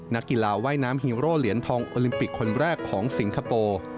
นักกีฬาว่ายน้ำฮีโร่เหรียญทองโอลิมปิกคนแรกของสิงคโปร์